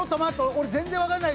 俺全然わかんない。